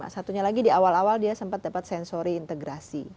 satunya lagi di awal awal dia sempat dapat sensory integrasi